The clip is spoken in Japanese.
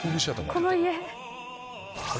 この家。